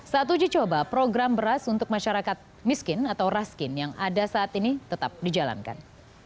saat uji coba program beras untuk masyarakat miskin atau raskin yang ada saat ini tetap dijalankan